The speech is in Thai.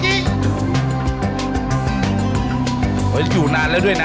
อยู่นานแล้วด้วยนะ